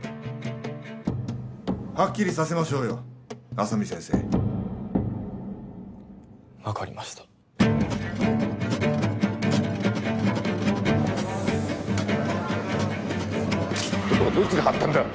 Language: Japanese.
・はっきりさせましょうよ浅見先生分かりました・どこのどいつが貼ったんだ